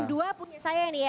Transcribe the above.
tim dua punya saya ya